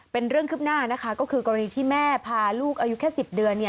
เป็นเรื่องคืบหน้านะคะก็คือกรณีที่แม่พาลูกอายุแค่๑๐เดือน